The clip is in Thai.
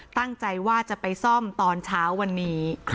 ตั้งใจว่าจะไปซ่อมตอนเช้าวันนี้